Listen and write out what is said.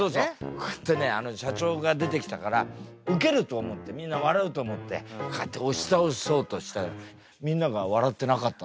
こうやってね社長が出てきたからウケると思ってみんな笑うと思ってこうやって押し倒そうとしたらみんなが笑ってなかった。